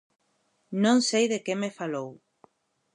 Non sei de que me falou.